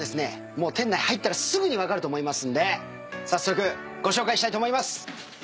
もう店内入ったらすぐに分かると思いますんで早速ご紹介したいと思います。